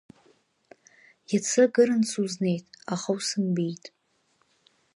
Иацы акырынтә сузнеит, аха усымбеит.